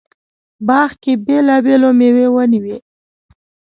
باغ کې بېلابېلې مېوې ونې وې.